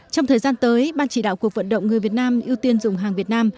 trong thời gian tới ban chỉ đạo cuộc vận động người việt nam ưu tiên dùng hàng việt nam